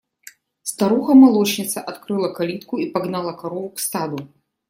Старуха молочница открыла калитку и погнала корову к стаду.